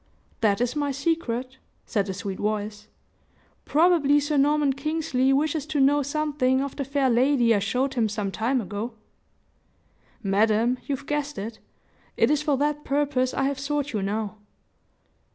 "That is my secret," said the sweet voice. "Probably Sir Norman Kingsley wishes to know something of the fair lady I showed him some time ago?" "Madam, you've guessed it. It is for that purpose I have sought you now."